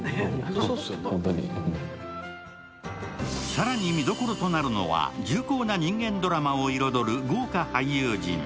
更に見どころとなるのは重厚な人間ドラマを彩る豪華俳優陣。